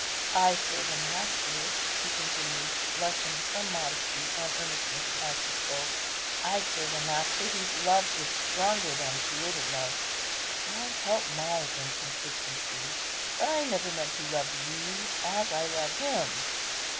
I serve a Master," he continued, blushing from modesty and earnestness as he spoke, "I serve a Master whose love is stronger than created love. God help my inconsistency! but I never meant to love you as I love Him.